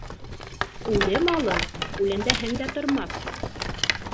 Үле малы үләндәһәң дә тормаҫ.